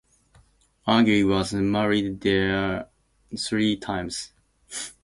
Argyll was married three times.